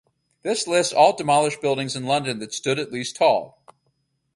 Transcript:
This lists all demolished buildings in London that stood at least tall.